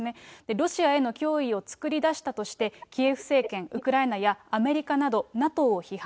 ロシアへの脅威を作り出したとして、キエフ政権・ウクライナやアメリカなどＮＡＴＯを批判。